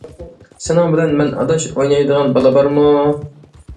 سېنىڭ بىلەن مەن ئاداش، ئوينايدىغان بالا بارمۇ.